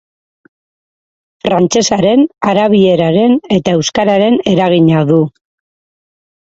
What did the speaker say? Frantsesaren, arabieraren eta euskararen eragina du.